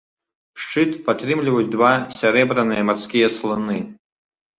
Шчыт падтрымліваюць два сярэбраныя марскія сланы.